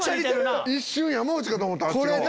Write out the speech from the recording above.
一瞬山内かと思った！